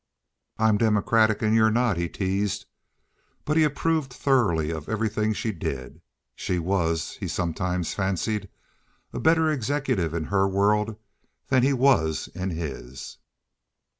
"I'm democratic and you're not," he teased; but he approved thoroughly of everything she did. She was, he sometimes fancied, a better executive in her world than he was in his.